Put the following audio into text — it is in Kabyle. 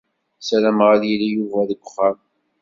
Ssarameɣ ad yili Yuba deg uxxam.